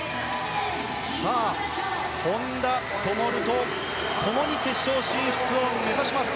本多灯と共に決勝進出を目指します。